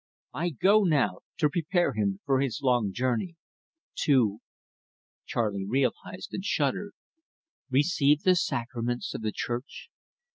I go now to prepare him for his long journey, to " Charley realised and shuddered. Receive the sacraments of the Church?